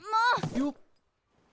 よっ。